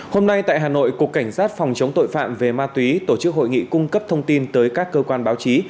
hôm nay tại hà nội cục cảnh sát phòng chống tội phạm về ma túy tổ chức hội nghị cung cấp thông tin tới các cơ quan báo chí